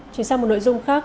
chuyển sang một nội dung khác